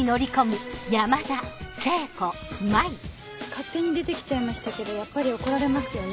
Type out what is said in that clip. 勝手に出て来ちゃいましたけどやっぱり怒られますよね。